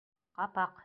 — Ҡапаҡ!..